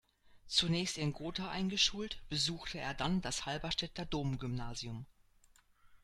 Zunächst in Gotha eingeschult, besuchte er dann das Halberstädter Domgymnasium.